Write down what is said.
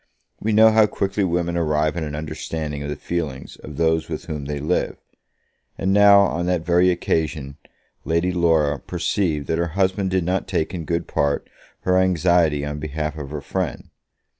We know how quickly women arrive at an understanding of the feelings of those with whom they live; and now, on that very occasion, Lady Laura perceived that her husband did not take in good part her anxiety on behalf of her friend.